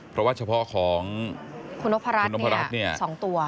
เพราะว่าเฉพาะของคุณนพรัชคุณนพรัชเนี่ย๒ตัว